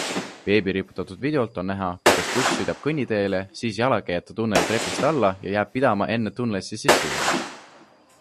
Veebi riputatud videolt on näha, kuidas buss sõidab kõnniteele, siis jalakäijate tunneli trepist alla ja jääb pidama enne tunnelisse sisse jõudmist.